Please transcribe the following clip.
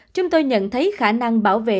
chúng tôi nhận thấy khả năng bảo vệ